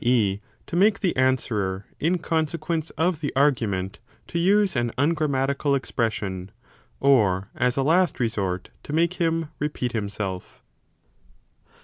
e. to make the answerer, in consequence 20 of the argument, to use an ungrammatical expression ; or, as a last resort, to make him repeat himself.